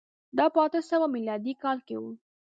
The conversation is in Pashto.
دا په اته سوه میلادي کال کي و.